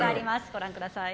ご覧ください。